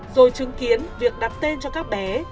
rồi chứng kiến việc đặt tên cho các bé